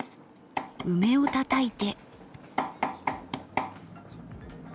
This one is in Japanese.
梅をたたいて。